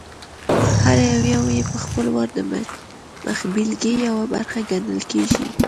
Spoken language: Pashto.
هر یو یې په خپل وار د مخبېلګې یوه برخه ګڼل کېږي.